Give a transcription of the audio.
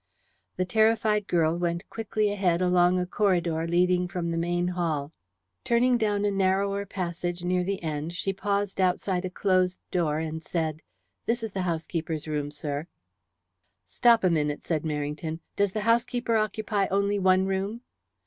The terrified girl went quickly ahead along a corridor leading from the main hall. Turning down a narrower passage near the end she paused outside a closed door and said: "This is the housekeeper's room, sir." "Stop a minute," said Merrington. "Does the housekeeper occupy only one room?"